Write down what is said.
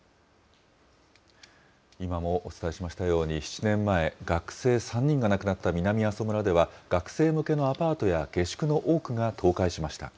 今もお伝えしましたように、７年前、学生３人が亡くなった南阿蘇村では、学生向けのアパートや下宿の多くが倒壊しました。